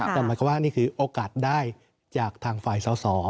แต่หมายความว่านี่คือโอกาสได้จากทางฝ่ายสอสอ